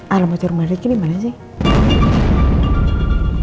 alamat rumah ricky dimana sih